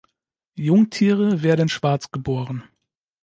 Jungtiere werden schwarz geboren.